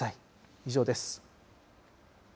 以上です。